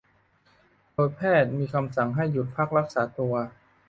โดยแพทย์มีคำสั่งให้หยุดพักรักษาตัว